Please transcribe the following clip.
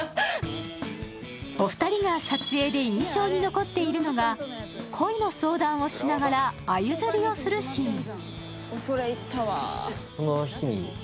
お二人が撮影で印象に残っているのが恋の相談をしながらあゆ釣りをするシーン。